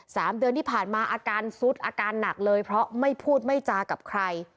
สามเดือนที่ผ่านมาอาการซุดอาการหนักเลยเพราะไม่พูดไม่จากับใคร